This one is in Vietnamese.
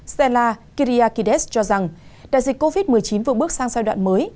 stella kyriakides cho rằng đại dịch covid một mươi chín vượt bước sang giai đoạn mới